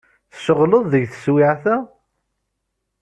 Tceɣleḍ deg teswiɛt-a?